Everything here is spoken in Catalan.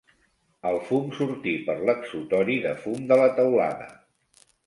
El fum sortir per l'exutori de fum de la teulada.